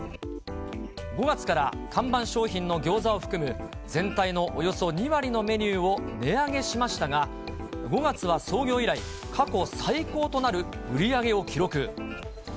５月から看板商品のギョーザを含む、全体のおよそ２割のメニューを値上げしましたが、５月は創業以来、過去最高となる売り上げを記録。